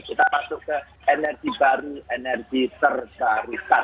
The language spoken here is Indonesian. kita masuk ke energi baru energi terbarukan